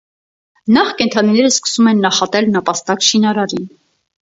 Նախ կենդանիները սկսում են նախատել նապաստակ շինարարին։